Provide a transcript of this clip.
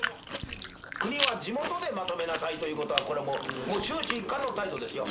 国は地元でまとめなさいということはこれはもう終始一貫の態度ですよ。